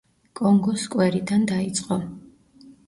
კონგოს სკვერიდან დაიწყო.